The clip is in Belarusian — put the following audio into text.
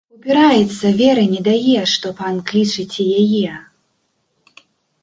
Упіраецца, веры не дае, што пан клічаце яе.